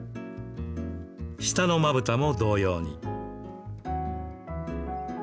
下のまぶたも同様に。